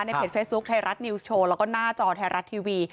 เพจเฟซบุ๊คไทยรัฐนิวส์โชว์แล้วก็หน้าจอไทยรัฐทีวี